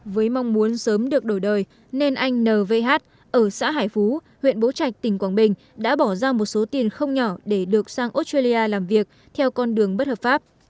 với mong muốn sớm được đổi đời nên anh n v h ở xã hải phú huyện bố trạch tỉnh quảng bình đã bỏ ra một số tiền không nhỏ để được sang australia làm việc theo con đường bất hợp pháp